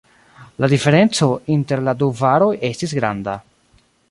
La diferenco inter la du varoj estis granda.